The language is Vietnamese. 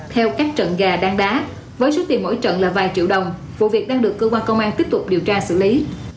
theo các trận gà đang đá với số tiền mỗi trận là vài triệu đồng vụ việc đang được cơ quan công an tiếp tục điều tra xử lý